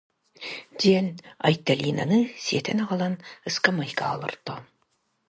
диэн Айталинаны сиэтэн аҕалан ыскамыайкаҕа олорто